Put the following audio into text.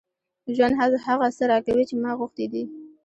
ژوند هغه څه راکوي چې ما غوښتي دي.